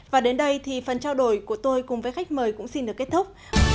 và đến đây thì phần trao đổi của tôi cùng với khách mời cũng xin được kết thúc